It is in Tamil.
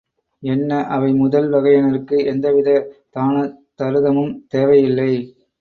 என்ன அவை முதல் வகையினருக்கு எந்த வித தான தருதமும் தேவையில்லை.